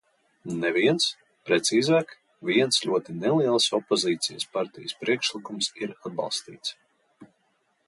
Neviens, precīzāk, viens ļoti neliels opozīcijas partijas priekšlikums ir atbalstīts.